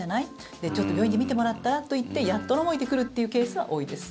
ねえ、ちょっと病院で診てもらったら？と言ってやっとの思いで来るというケースは多いです。